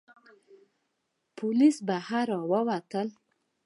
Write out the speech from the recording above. پوليس بهر را ووتل.